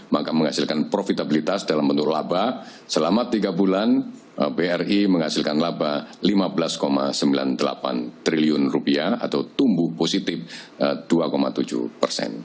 maka menghasilkan profitabilitas dalam bentuk laba selama tiga bulan bri menghasilkan laba lima belas sembilan puluh delapan triliun rupiah atau tumbuh positif dua tujuh persen